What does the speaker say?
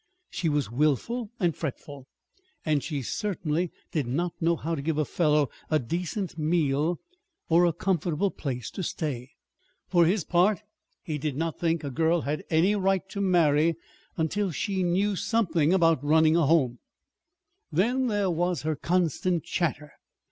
She was willful and fretful, and she certainly did not know how to give a fellow a decent meal or a comfortable place to stay. For his part, he did not think a girl had any right to marry until she knew something about running a simple home. Then there was her constant chatter.